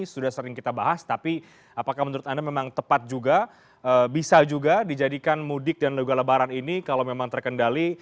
sudah sering kita bahas tapi apakah menurut anda memang tepat juga bisa juga dijadikan mudik dan juga lebaran ini kalau memang terkendali